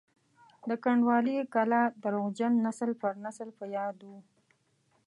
د کنډوالې کلا درواغجن نسل پر نسل په یادو وو.